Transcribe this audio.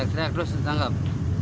ojek trik terus tangkap